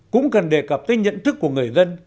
cũng cần đề cập tới nhận thức của người dân